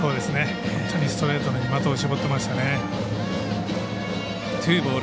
本当にストレートに的を絞ってましたね。